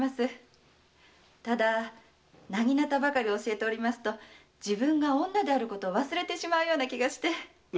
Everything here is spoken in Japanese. ただ薙刀ばかり教えておりますと自分が女であることを忘れてしまうような気がして。